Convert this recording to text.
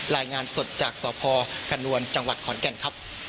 รายงานสดจากสพขนวลจังหวัดขอนแก่นครับ